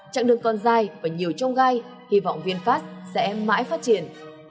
chặng đường còn dài và nhiều trông gai hy vọng vinfast sẽ mãi phát triển